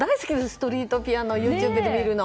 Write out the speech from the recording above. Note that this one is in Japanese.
ストリートピアノをＹｏｕＴｕｂｅで見るの。